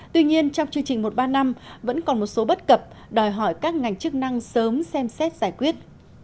tuy nhiên trong chương trình một ba năm vẫn còn một số bất cập đòi hỏi các ngành chức năng sớm xem xét giải quyết